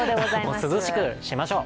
涼しくしましょう！